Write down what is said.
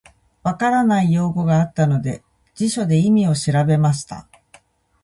分からない用語があったので、辞書で意味を調べました。